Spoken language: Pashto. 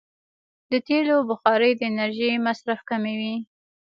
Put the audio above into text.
د تېلو بخاري د انرژۍ مصرف کموي.